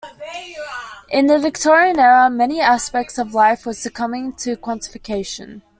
In the Victorian era many aspects of life were succumbing to quantification.